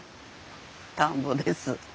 田んぼです。